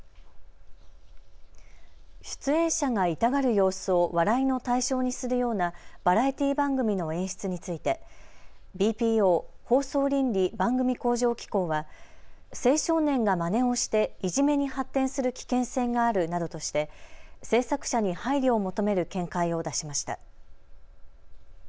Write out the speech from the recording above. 出演者が痛がる様子を笑いの対象にするようなバラエティー番組の演出についてＢＰＯ・放送倫理・番組向上機構は青少年がまねをしていじめに発展する危険性があるなどとして制作者に配慮を求める見解を出しました。